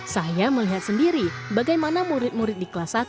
saya melihat sendiri bagaimana murid murid di kelas satu